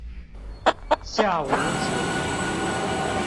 下五組